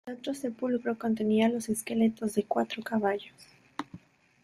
El otro sepulcro contenía los esqueletos de cuatro caballos.